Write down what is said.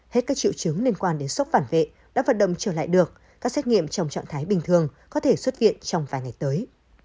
hết các triệu chứng liên quan đến sốc phản vệ đã vận động trở lại được các xét nghiệm trong trạng thái bình thường có thể xuất viện trong vài ngày tới